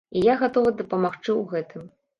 І я гатова дапамагчы ў гэтым.